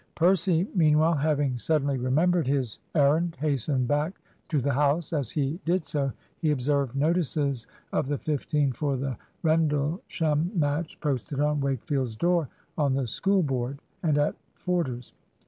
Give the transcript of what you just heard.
Percy, meanwhile, having suddenly remembered his errand, hastened back to the house. As he did so he observed notices of the fifteen for the Rendlesham match posted on Wakefield's door, on the school board, and at Forder's.